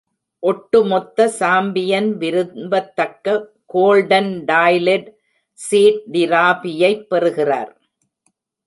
ஒட்டுமொத்த சாம்பியன் விரும்பத்தக்க golden toilet seat டிராபியைப் பெறுகிறார்.